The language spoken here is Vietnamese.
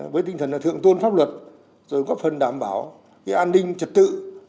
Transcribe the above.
với tinh thần thượng tôn pháp luật rồi góp phần đảm bảo an ninh trật tự